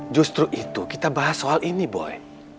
justru itu kita bahas soal ini boy